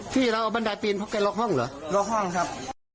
ที่เราเอาบันไดปีนเพราะแกล็อกห้องเหรอล็อกห้องครับ